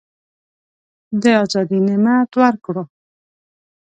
د آزادی نعمت ورکړو.